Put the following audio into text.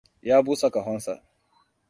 Ya busa ƙahonsa.